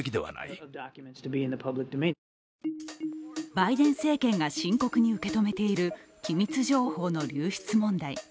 バイデン政権が深刻に受け止めている機密情報の流出問題。